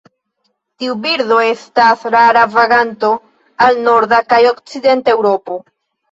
Tiu birdo estas rara vaganto al norda kaj okcidenta Eŭropo.